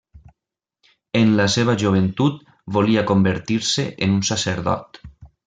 En la seva joventut, volia convertir-se en un sacerdot.